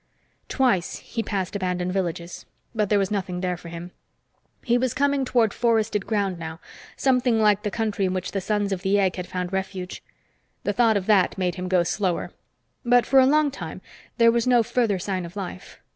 Twice he passed abandoned villages, but there was nothing there for him. He was coming toward forested ground now, something like the country in which the Sons of the Egg had found refuge. The thought of that made him go slower. But for a long time, there was no further sign of life.